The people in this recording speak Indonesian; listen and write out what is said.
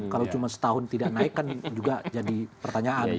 kalau cuma setahun tidak naik kan juga jadi pertanyaan